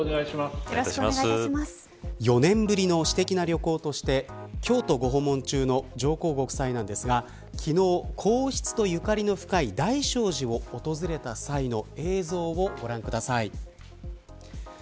４年ぶりの私的な旅行として京都をご訪問中の上皇ご夫妻なんですが昨日、皇室とゆかりの深い大聖寺を訪れた際の映像をご覧ください。